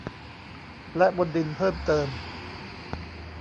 และบนดินเพิ่มเติม